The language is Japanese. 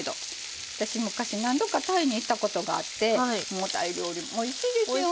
私昔何度かタイに行ったことがあってタイ料理おいしいですよね。